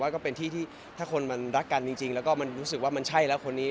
ก็เป็นที่ที่ถ้าคนมันรักกันจริงแล้วก็มันรู้สึกว่ามันใช่แล้วคนนี้